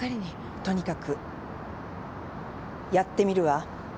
とにかくやってみるわ。